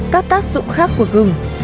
các tác dụng khác của gừng